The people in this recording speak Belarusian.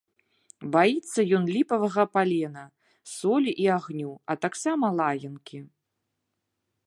Баіцца ён ліпавага палена, солі і агню, а таксама лаянкі.